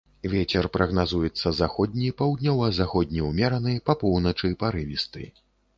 Вецер прагназуецца заходні, паўднёва-заходні ўмераны, па поўначы парывісты.